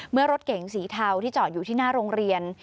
รถเก๋งสีเทาที่จอดอยู่ที่หน้าโรงเรียน